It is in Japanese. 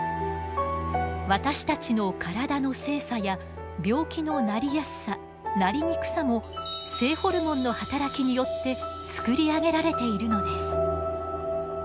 私たちの体の性差や病気のなりやすさなりにくさも性ホルモンの働きによって作り上げられているのです。